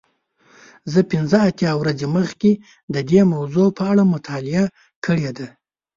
زه پنځه اتیا ورځې مخکې د دې موضوع په اړه مطالعه کړې ده.